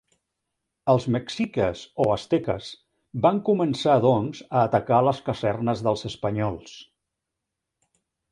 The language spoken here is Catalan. Els mexiques o asteques van començar doncs a atacar les casernes dels espanyols.